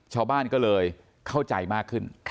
ชาวบ้านก็เลยเข้าใจมากขึ้น